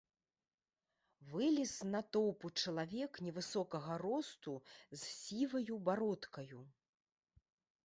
Вылез з натоўпу чалавек невысокага росту з сіваю бародкаю.